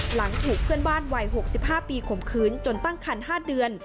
หลังถูกเพื่อนบ้านวัย๖๕ปีข่มขืนจนตั้งคัน๕เดือน